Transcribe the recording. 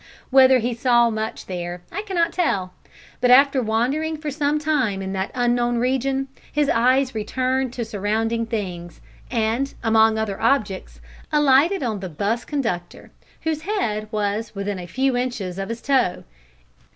Whether he saw much there I cannot tell, but after wandering for some time in that unknown region, his eyes returned to surrounding things, and, among other objects, alighted on the 'bus conductor, whose head was within a few inches of his toe.